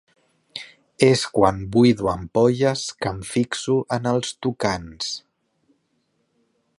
És quan buido ampolles que em fixo en els tucans.